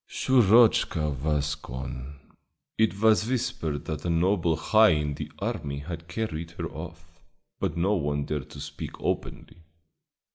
"Shurochka was gone. It was whispered that a noble high in the army had carried her off, but no one dared to speak openly.